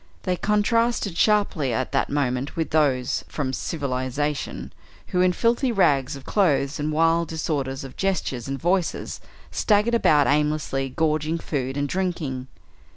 They contrasted sharply at that moment with those from "civilization," who in filthy rags of clothes and wild disorder of gestures and voices staggered about aimlessly gorging food and drinking.